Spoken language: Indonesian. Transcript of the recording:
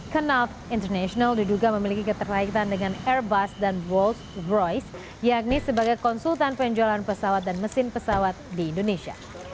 kanalth international diduga memiliki keterkaitan dengan airbus dan world royce yakni sebagai konsultan penjualan pesawat dan mesin pesawat di indonesia